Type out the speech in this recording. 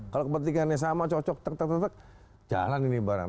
kalau kepentingannya sama cocok tek tek tek tek jalan ini bareng